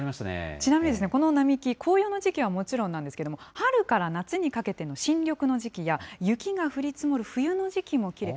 ちなみにこの並木、紅葉の時期はもちろんなんですけれども、春から夏にかけての新緑の時期や、雪が降り積もる冬の時期もきれい。